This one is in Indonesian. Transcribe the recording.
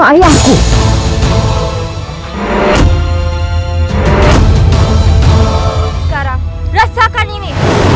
sekarang rasakan ini